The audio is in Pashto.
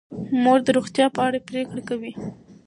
مور د روغتیا په اړه پریکړې کوي.